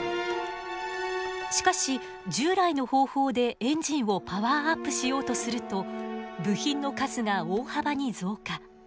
しかし従来の方法でエンジンをパワーアップしようとすると部品の数が大幅に増加。